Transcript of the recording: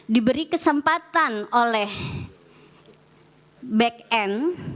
diberi kesempatan oleh back end